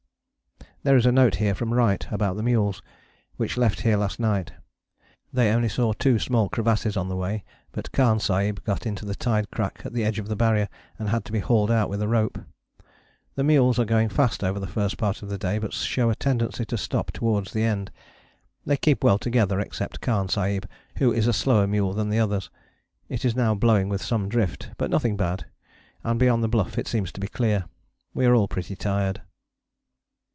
There is a note here from Wright about the mules, which left here last night. They only saw two small crevasses on the way, but Khan Sahib got into the tide crack at the edge of the Barrier, and had to be hauled out with a rope. The mules are going fast over the first part of the day, but show a tendency to stop towards the end: they keep well together except Khan Sahib, who is a slower mule than the others. It is now blowing with some drift, but nothing bad, and beyond the Bluff it seems to be clear. We are all pretty tired.